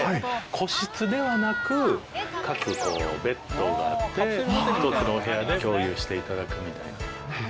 個室ではなく各ベッドがあって１つのお部屋で共有していただくみたいな。